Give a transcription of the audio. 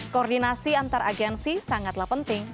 koordinasi antar agensi sangatlah penting